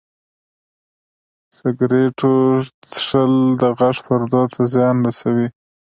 سګرټو څښل د غږ پردو ته زیان رسوي.